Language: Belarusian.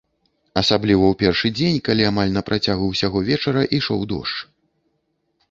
Асабліва ў першы дзень, калі амаль на працягу ўсяго вечара ішоў дождж.